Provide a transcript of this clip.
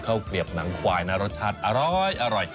เกลียบหนังควายนะรสชาติอร้อย